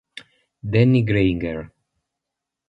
Danny Grainger